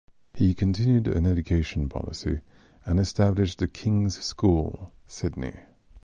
He continued an education policy and established The King's School, Sydney.